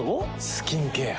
スキンケア。